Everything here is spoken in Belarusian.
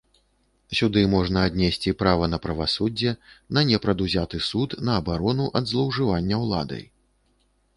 Сюды можна аднесці права на правасуддзе, на непрадузяты суд, на абарону ад злоўжывання ўладай.